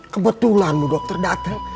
kebetulan dokter datang